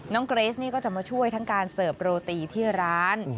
เกรสนี่ก็จะมาช่วยทั้งการเสิร์ฟโรตีที่ร้าน